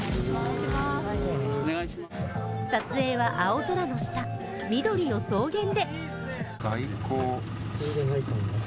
撮影は青空の下、緑の草原で。